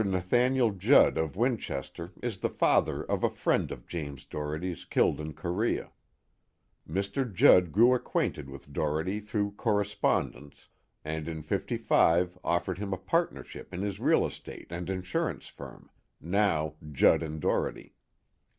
Nathaniel Judd of Winchester is the father of a friend of James Doherty's killed in Korea. Mr. Judd grew acquainted with Doherty through correspondence, and in '55 offered him a partnership in his real estate and insurance firm, now Judd and Doherty.